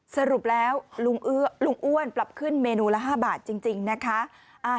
สรุปแล้วลุงอ้วนปรับขึ้นเมนูละ๕บาทจริงนะคะ